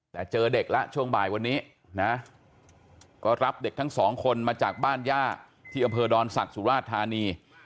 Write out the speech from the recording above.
แต่เจอเด็กแล้วช่วงบ่ายวันนี้นะก็รับเด็กทั้งสองคนมาจากบ้านย่าที่อำเภอดอนศักดิ์สุราชธานี